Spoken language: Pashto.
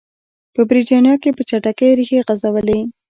په برېټانیا کې په چټکۍ ریښې غځولې.